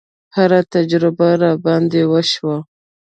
هره تجربه راباندې وشوه.